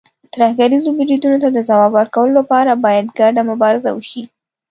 ترهګریزو بریدونو ته د ځواب ورکولو لپاره، باید ګډه مبارزه وشي.